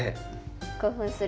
興奮する。